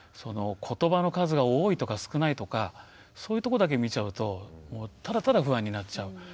ことばの数が多いとか少ないとかそういうとこだけ見ちゃうとただただ不安になっちゃう。